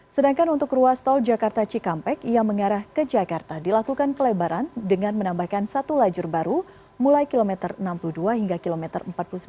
sedangkan untuk ruas tol jakarta cikampek yang mengarah ke jakarta dilakukan pelebaran dengan menambahkan satu lajur baru mulai kilometer enam puluh dua hingga kilometer empat puluh sembilan